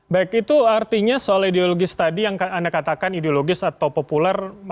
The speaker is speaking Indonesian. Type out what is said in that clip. baik itu artinya soal ideologis tadi yang anda katakan ideologis atau populer